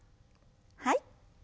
はい。